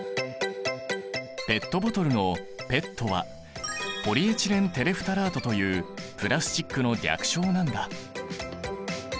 ペットボトルの「ペット」はポリエチレンテレフタラートというプラスチックの略称なんだ。